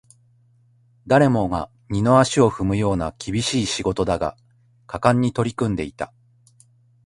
誰もが二の足を踏むような厳しい仕事だが、果敢に取り組んでいた